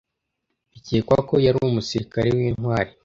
Bikekwa ko yari umusirikare w'intwari.